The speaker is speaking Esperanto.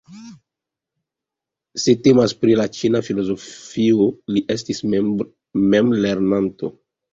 Se temas pri la ĉina filozofio li estis memlernanto.